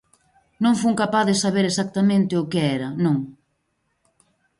Non fun capaz de saber exactamente o que era, non.